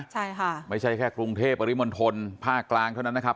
ใช่ค่ะไม่ใช่แค่กรุงเทพปริมณฑลภาคกลางเท่านั้นนะครับ